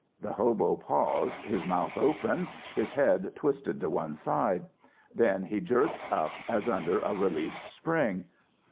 "The hobo paused, his mouth open, his head twisted to one side. Then he jerked up as under a released spring.